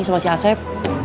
sama si asep